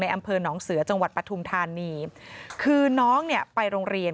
ในอำเภอน้องเสือจังหวัดปทุมธานีคือน้องไปโรงเรียน